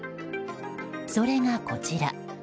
それが、こちら。